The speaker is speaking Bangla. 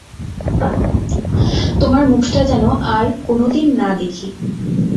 তোমার মুখটা যেন আর কোনোদিন না দেখি।